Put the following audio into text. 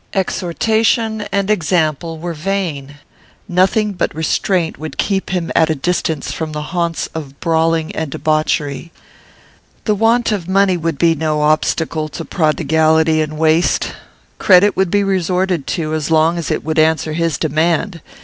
Exhortation and example were vain. Nothing but restraint would keep him at a distance from the haunts of brawling and debauchery. The want of money would be no obstacle to prodigality and waste. Credit would be resorted to as long as it would answer his demand.